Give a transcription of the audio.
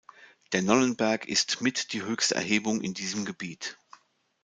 Der Nonnenberg ist mit die höchste Erhebung in diesem Gebiet.